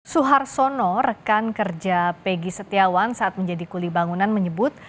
suharsono rekan kerja peggy setiawan saat menjadi kuli bangunan menyebut